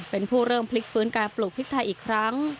เป็นผู้เริ่มพลิกฟื้นการปลูกพริกไทยอีกครั้ง